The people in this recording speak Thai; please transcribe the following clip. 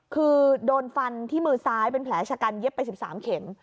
คือโดนฟันที่มือซ้ายเป็นแผลชะกันเย็บไป๑๓เข็ม